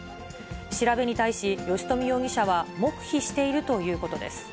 調べに対し、吉冨容疑者は黙秘しているということです。